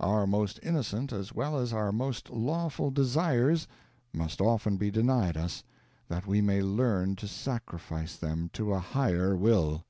Our most innocent as well as our most lawful _desires _must often be denied us, that we may learn to sacrifice them to a Higher will."